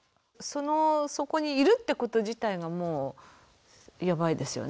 そのそこにいるってこと自体がもうヤバいですよね。